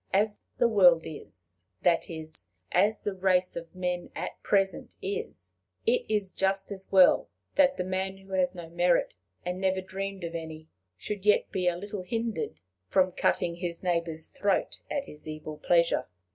As the world is, that is, as the race of men at present is, it is just as well that the man who has no merit, and never dreamed of any, should yet be a little hindered from cutting his neighbor's throat at his evil pleasure.